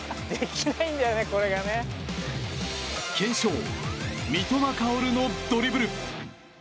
検証、三笘薫のドリブル。